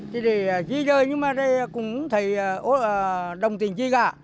thì thì dưới đời nhưng mà đây cũng thầy đồng tiền chi cả